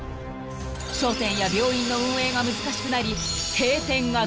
［商店や病院の運営が難しくなり閉店が続出］